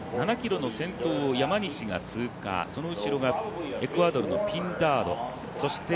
７ｋｍの先頭を山西が通過、その次がエクアドルのピンタードそして